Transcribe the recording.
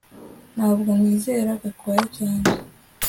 Ntabwo nizera Gakwaya cyane